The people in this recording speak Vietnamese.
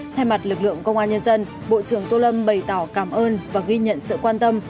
thay mặt lực lượng công an nhân dân bộ trưởng tô lâm bày tỏ cảm ơn và ghi nhận sự quan tâm